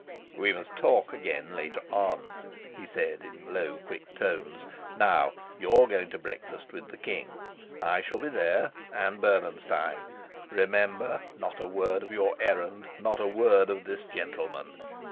"We must talk again later on," he said, in low quick tones. "Now you're going to breakfast with the king. I shall be there, and Bernenstein. Remember, not a word of your errand, not a word of this gentleman!